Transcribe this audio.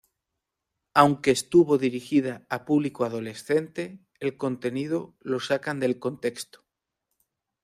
Aunque estuvo dirigida a público adolescente el contenido lo sacan del contexto.